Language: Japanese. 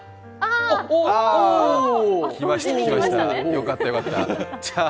よかったよかった。